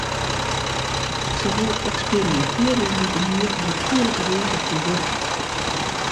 Se wolle eksperimintearje mei in mear natuerlike wize fan buorkjen.